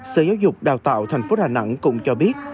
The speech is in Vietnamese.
sở giáo dục đào tạo thành phố đà nẵng cũng cho biết